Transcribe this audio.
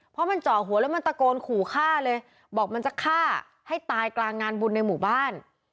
เพราะมันเจาะหัวแล้วมันตะโกนขู่ฆ่าเลยบอกมันจะฆ่าให้ตายกลางงานบุญในหมู่บ้าน